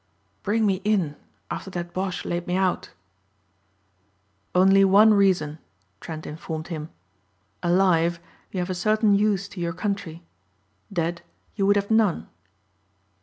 "Bring me in after that boche laid me out?" "Only one reason," Trent informed him. "Alive, you have a certain use to your country. Dead, you would have none."